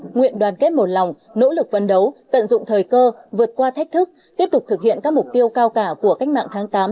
nguyện đoàn kết một lòng nỗ lực vấn đấu tận dụng thời cơ vượt qua thách thức tiếp tục thực hiện các mục tiêu cao cả của cách mạng tháng tám